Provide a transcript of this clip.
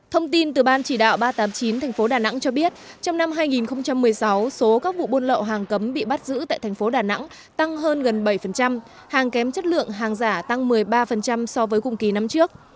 thông tin từ ban chỉ đạo ba trăm tám mươi chín tp đà nẵng cho biết trong năm hai nghìn một mươi sáu số các vụ buôn lậu hàng cấm bị bắt giữ tại thành phố đà nẵng tăng hơn gần bảy hàng kém chất lượng hàng giả tăng một mươi ba so với cùng kỳ năm trước